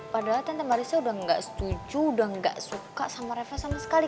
padahal tante marisa udah gak setuju udah gak suka sama reva sama sekali